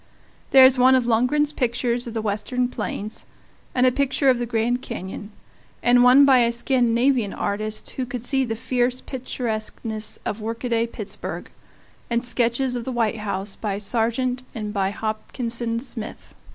There is one of Lungren's pictures of the Western plains; and a picture of the Grand Canyon; and one by a Scandinavian artist who could see the fierce picturesqueness of workaday Pittsburgh; and sketches of the White House by Sargent and by Hopkinson Smith.